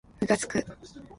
むかつく